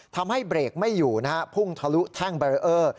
ทำให้เบรกไม่อยู่นะฮะพุ่งทะลุแท่งแบรีเออร์